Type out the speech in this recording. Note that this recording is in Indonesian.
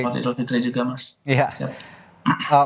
selamat hari raya idul fitri juga mas